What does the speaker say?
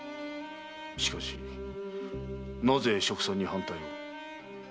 しかしなぜ殖産に反対を？